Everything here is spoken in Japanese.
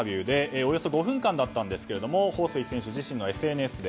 およそ５分間だったんですがホウ・スイ選手自身のＳＮＳで